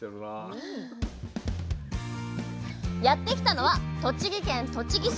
やって来たのは栃木県栃木市。